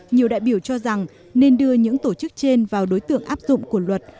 nhiều đại biểu cho rằng nên đưa những tổ chức trên vào đối tượng áp dụng của luật